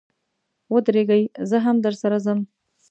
و درېږئ، زه هم درسره ځم.